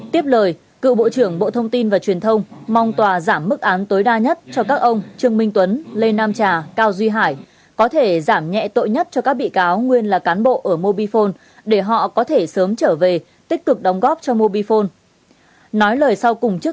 tiếp lời cựu bộ trưởng bộ thông tin và truyền thông mong tòa giảm mức án tối đa nhất cho các ông trương minh tuấn lê nam trà cao duy hải có thể giảm nhẹ tội nhất cho các bị cáo nguyên là cán bộ ở mobifone để họ có thể sớm trở về tích cực đóng góp cho mobifone